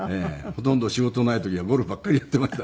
ほとんど仕事ない時はゴルフばっかりやってました。